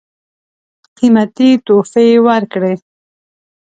قېمتي تحفې ورکړې.